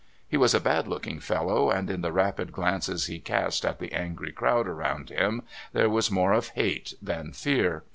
He was a bad looking fellow, and in the rapid glances he cast at the angry crowd around him there was more of hate than fear.